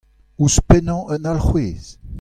Ouzhpennañ un alcʼhwez ?